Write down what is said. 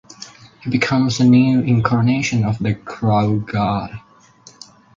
He becomes the new incarnation of the Crow god.